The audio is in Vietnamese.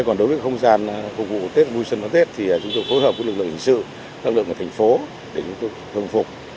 còn đối với không gian phục vụ tết mùi xuân vào tết thì chúng tôi phối hợp với lực lượng hình sự lực lượng của thành phố để chúng tôi thương phục